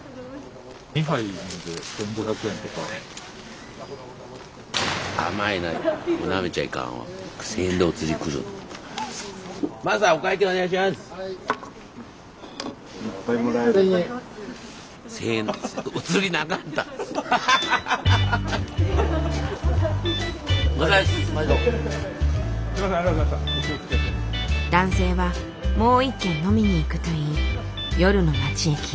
男性は「もう一軒飲みに行く」と言い夜の街へ消えていった。